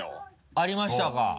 ありましたか。